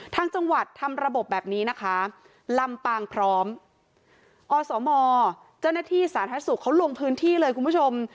ทางจังหวัดทำระบบแบบนี้นะคะลำปางพร้อมอสมเจ้าหน้าที่สาธารณสุขเขาลงพื้นที่เลยคุณผู้ชม